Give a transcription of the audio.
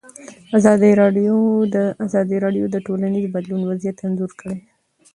ازادي راډیو د ټولنیز بدلون وضعیت انځور کړی.